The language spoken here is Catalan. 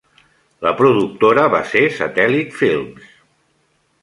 La productora va ser Satellite Films.